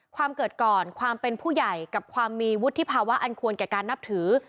เกิดก่อนความเป็นผู้ใหญ่กับความมีวุฒิภาวะอันควรแก่การนับถือ